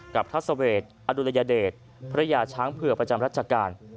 กับพระสเวทอดุลยเดชพระยาช้างเผื่อประจำรัชกาล